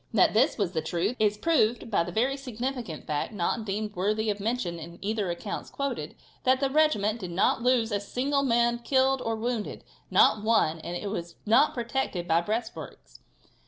That this was the truth is proved by the very significant fact, not deemed worthy of mention in either of the accounts quoted, that the regiment did not lose a single man killed or wounded; not one, and it was not protected by breastworks.